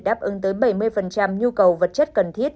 đáp ứng tới bảy mươi nhu cầu vật chất cần thiết